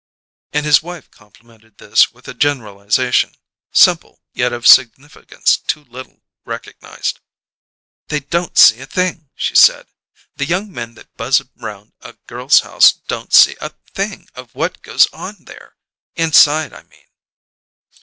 And his wife complemented this with a generalization, simple, yet of a significance too little recognized. "They don't see a thing!" she said. "The young men that buzz around a girl's house don't see a thing of what goes on there! Inside, I mean."